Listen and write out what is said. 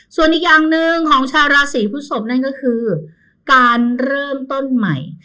ส่วนอีกอย่างหนึ่งของชาวราศีพฤศพนั่นก็คือการเริ่มต้นใหม่